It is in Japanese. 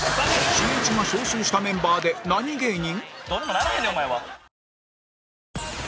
しんいちが招集したメンバーで何芸人？